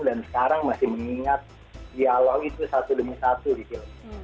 dan sekarang masih mengingat dialog itu satu demi satu di film